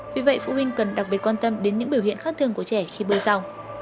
vì vậy phụ huynh cần đặc biệt quan tâm đến những biểu hiện khát thường của trẻ khi bơi sau